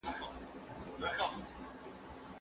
د زده کوونکو د ذهني ودې لپاره ځانګړې لوبې نه وي.